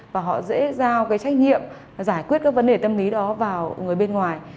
và họ dễ giao cái trách nhiệm giải quyết các vấn đề tâm lý đó vào người bên ngoài